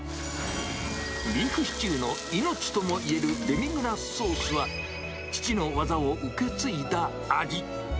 ビーフシチューの命ともいえるデミグラスソースは、父の技を受け継いだ味。